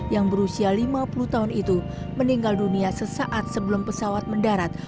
yang berusia lima puluh tahun itu meninggal dunia sesaat sebelum pesawat mendarat